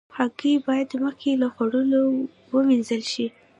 هګۍ باید مخکې له خوړلو وینځل شي.